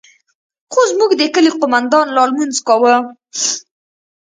خو زموږ د كلي قومندان لا لمونځ كاوه.